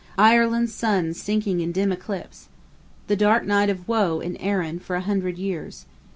Ireland's sun sinking in dim eclipse. The dark night of woe in Erin for a hundred years.